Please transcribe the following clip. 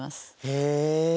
へえ！